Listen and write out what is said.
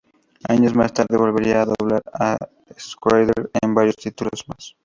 Años más tarde volvería a doblar a Scheider en varios títulos más.